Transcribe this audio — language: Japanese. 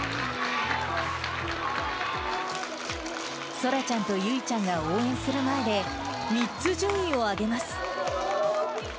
そらちゃんとゆいちゃんが応援する前で、３つ順位を上げます。